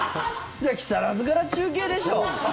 じゃあ木更津から中継でしょ。